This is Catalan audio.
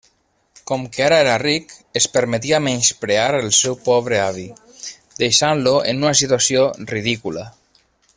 Com que ara era ric, es permetia menysprear el seu pobre avi, deixant-lo en una situació ridícula!